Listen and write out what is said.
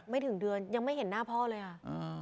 ถึงเดือนยังไม่เห็นหน้าพ่อเลยค่ะ